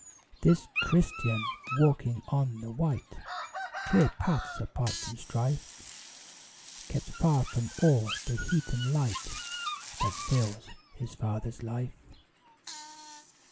This Christian, walking on the white Clear paths apart from strife, Kept far from all the heat and light That fills his father's life.